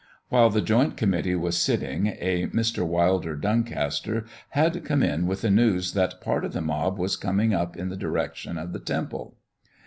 While the joint committee was sitting a Mr. Wilder Doncaster had come in with the news that part of the mob was coming up in the direction of the Temple.